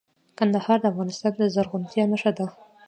کندهار د افغانستان د زرغونتیا نښه ده.